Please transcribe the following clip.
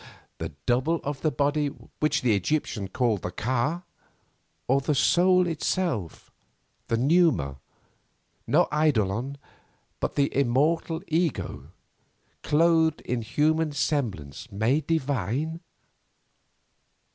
That double of the body which the Egyptians called the Ka, or the soul itself, the πνεῦμα, no eidolon, but the immortal ego, clothed in human semblance made divine?